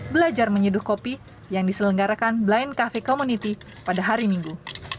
belajar menyeduh kopi yang diselenggarakan blind cafe community pada hari minggu